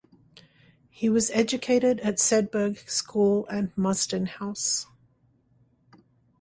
He was educated at Sedbergh School and Mostyn House.